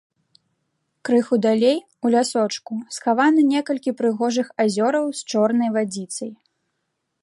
Крыху далей, у лясочку, схавана некалькі прыгожых азёраў з чорнай вадзіцай.